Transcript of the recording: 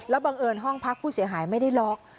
บังเอิญห้องพักผู้เสียหายไม่ได้ล็อก